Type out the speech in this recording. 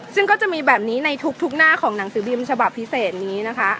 ซึ่งก็จะมีแบบนี้ในทุกหน้าของหนังสือพิมพ์ฉบับพิเศษนี้นะคะ